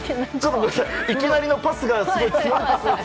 いきなりのパスがすごい強くて。